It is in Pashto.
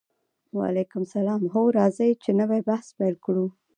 وعلیکم السلام هو راځئ چې نوی بحث پیل کړو